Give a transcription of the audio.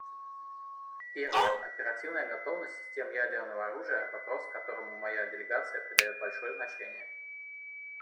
Первый — оперативная готовность систем ядерного оружия, вопрос, которому моя делегация придает большое значение.